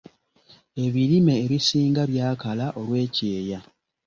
Ebirime ebisinga byakala olw'ekyeya.